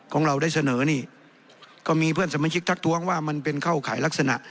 ของเราได้เสนอนี่ก็มีเพื่อนสมาชิกทักท้วงว่ามันเป็นเข้าข่ายลักษณะ